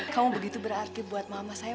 kamu begitu berarti buat mama saya